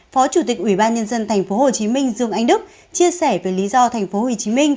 phó chủ tịch ủy ban nhân dân tp hcm dương anh đức chia sẻ về lý do tp hcm